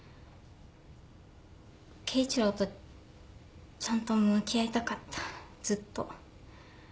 圭一郎とちゃんと向き合いたかったずっと。